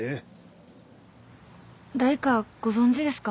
だいかご存じですか？